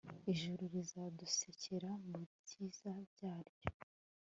ijuru rizadusekera mubyiza byaryo